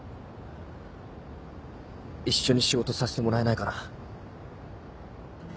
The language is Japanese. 一緒に仕事させてもらえないかな。